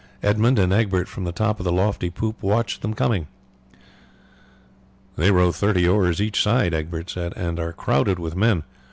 Edmund and Egbert from the top of the lofty poop watched them coming. "They row thirty oars each side," Egbert said, "and are crowded with men.